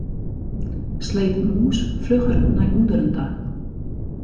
Sleep mûs flugger nei ûnderen ta.